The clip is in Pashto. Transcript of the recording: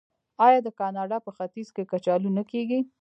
آیا د کاناډا په ختیځ کې کچالو نه کیږي؟